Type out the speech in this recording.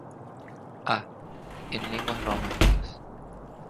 A. en lenguas románicas.